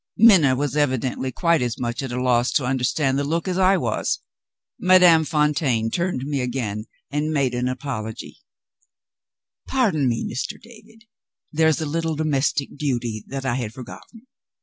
Minna was evidently quite as much at a loss to understand the look as I was. Madame Fontaine turned to me again, and made an apology. "Pardon me, Mr. David, there is a little domestic duty that I had forgotten."